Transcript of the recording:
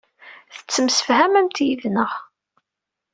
Tettemsefhamemt yid-neɣ.